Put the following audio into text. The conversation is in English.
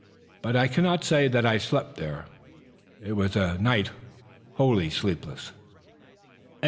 But I cannot say that I slept there. It was a night wholly sleepless.